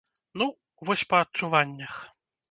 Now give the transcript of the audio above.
Ну, вось па адчуваннях.